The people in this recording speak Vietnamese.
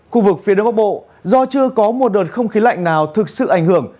khu vực phía đông bắc bộ do chưa có một đợt không khí lạnh nào thực sự ảnh hưởng